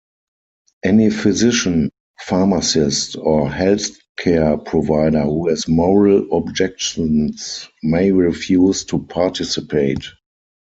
Any physician, pharmacist or healthcare provider who has moral objections may refuse to participate.